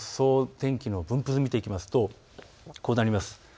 天気分布図を見ていきますとこうなります。